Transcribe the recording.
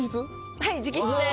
はい直筆です